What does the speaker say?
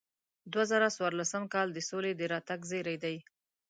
دوه زره څوارلسم کال د سولې د راتګ زیری دی.